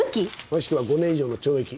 もしくは５年以上の懲役。